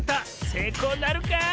せいこうなるか？